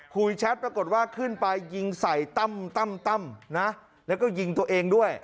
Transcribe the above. แชทปรากฏว่าขึ้นไปยิงใส่ตั้มนะแล้วก็ยิงตัวเองด้วย